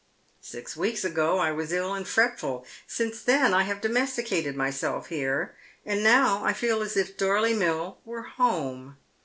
"Six weeks ago I was ill and fretful. Since then I have domesticated myself here, and now I feel as if Dorley Mill were home.